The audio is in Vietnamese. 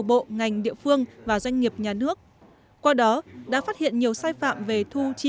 bộ ngành địa phương và doanh nghiệp nhà nước qua đó đã phát hiện nhiều sai phạm về thu chi